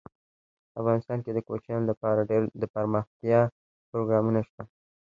افغانستان کې د کوچیان لپاره دپرمختیا پروګرامونه شته.